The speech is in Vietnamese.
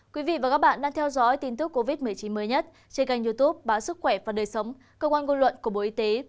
quý vị và các bạn đang theo dõi tin tức covid một mươi chín mới nhất trên kênh youtube báo sức khỏe và đời sống cơ quan ngôn luận của bộ y tế